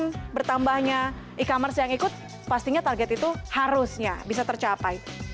dan bertambahnya e commerce yang ikut pastinya target itu harusnya bisa tercapai